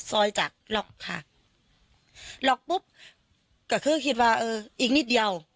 ซอยจากล็อกค่ะล็อกปุ๊บก็คือคิดว่าเอออีกนิดเดียว